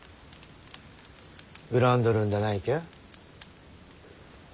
恨んどるんだないきゃ？